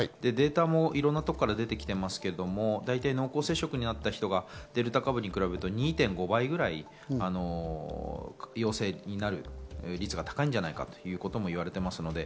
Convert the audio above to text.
データもいろいろなところから出ていますが、濃厚接触になった方がデルタ株に比べて２．５倍くらい陽性になる率が高いんじゃないかということも言われています。